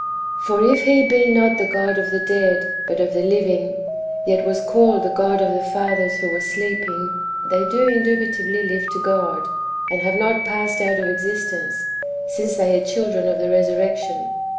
For if He be not the God of the dead, but of the living, yet was called the God of the fathers who were sleeping, they do indubitably live to God, and have not passed out of existence, since they are children of the resurrection.